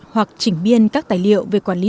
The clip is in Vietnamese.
hoặc chỉnh biên các tài liệu về quản lý